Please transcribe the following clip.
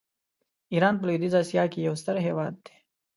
ایران په لویدیځه آسیا کې یو ستر هېواد دی.